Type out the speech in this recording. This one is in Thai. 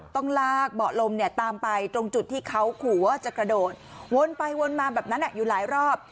ต้องลากเบาะลมเนี่ยตามไปตรงจุดที่เขาขู่ว่าจะกระโดดวนไปวนมาแบบนั้นอยู่หลายรอบ